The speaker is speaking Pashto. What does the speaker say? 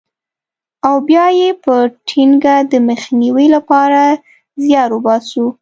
او بیا یې په ټینګه د مخنیوي لپاره زیار وباسو.